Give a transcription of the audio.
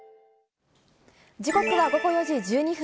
時刻は午後４時１２分。